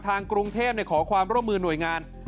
ทางกรุงเทพขอความร่วมมือหน่วยงาน